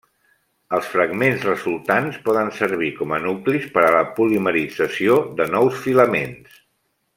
Els fragments resultants poden servir com a nuclis per a la polimerització de nous filaments.